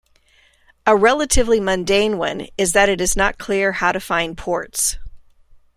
A relatively mundane one is that it is not clear how to find ports.